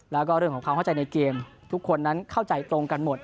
แล้วก็เรื่องของความเข้าใจในเกมทุกคนนั้นเข้าใจตรงกันหมด